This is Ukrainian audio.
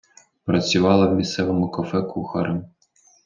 Працювала в місцевому кафе кухарем.